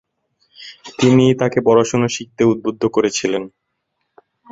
তিনিই তাকে পড়াশোনা শিখতে উদ্বুদ্ধ করেছিলেন।